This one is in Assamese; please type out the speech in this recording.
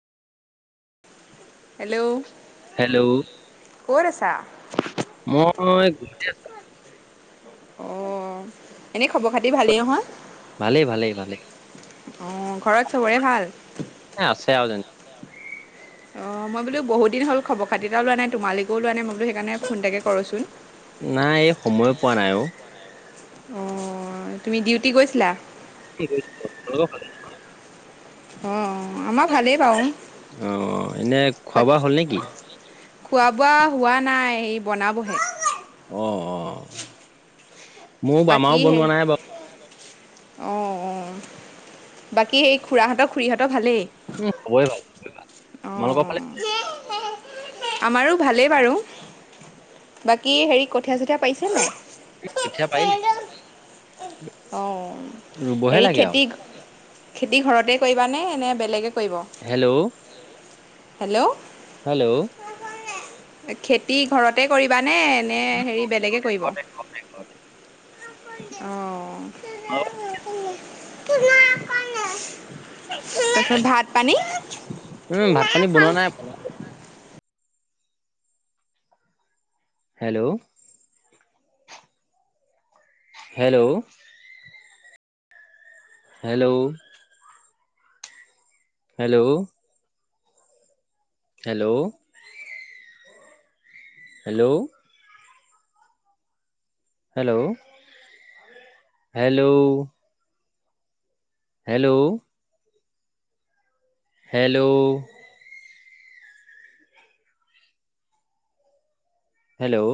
হেল্ল', হেল্ল' ক'ত আছা? মই ঘৰতে আছো। অ'। এনেই খবৰ খাতি ভালেই নহয়? ভালেই ভালেই ভালেই আহ ঘৰত চবৰে ভাল? এ আছে আৰু যেন অ' মই বোলো বহুতিন হল খবৰ খাতি এটা ও লোবা নাই, তোমালোকেও লোৱা নাই মই বোলো সেইকাৰণে ফোন এটাকে কৰোচোন। নাই এই সময় পোৱা নাই অ'। অ' তুমি ডিউটি গৈছিলা? [inaudible] অ' আমাৰ ভালেই বাৰু। অ' এনেই খোৱা বাকী বোৱা হ'ল নেকি? খোৱা বোৱা হোৱা নাই এই বনাবহে। অ' অ'। মোৰ বাকী বামাও সেই বনোৱা নাই [unintelligible] অ' অ' বাকী সেই খুৰাহঁতৰ খুুৰীহঁতৰ ভালেই? উম খবৰে ভাল খবৰে ভাল। তোমালোকৰ ফালে অ' অ'। আমাৰো ভালেই বাৰু। বাকী হেৰি কঠীয়া চঠীয়া পাৰিছে নে নাই? কঠীয়া পাৰিলি অ', ৰুবহে হেৰি লাগে আৰু খেতি খেতি ঘৰতে কৰিবা নে এনে বেলেগে কৰিব হেল্ল'। হেল্ল'। হেল্ল'। খেতি ঘৰতে কৰিবা নে-নে হেৰি বেলেগে কৰিব? অ', হেল্ল', [unintelligible] [unintelligible] তাৰপিছত ভাত পানী। উম, ভাত পানী বনোৱা নাই আকৌ। Hello, hello, hello, hello, hello, hello, hello, hello, hello, hello, hello,